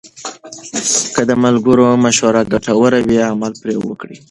که د ملګرو مشوره ګټوره وي، عمل پرې وکړئ.